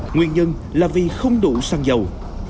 nguyên nhân là vì không đủ xăng dầu